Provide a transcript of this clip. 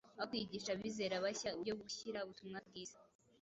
Aho kwigisha abizera bashya uburyo bwo gushyira Ubutumwa Bwiza